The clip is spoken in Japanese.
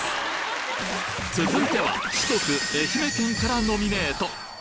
続いては四国愛媛県からノミネート！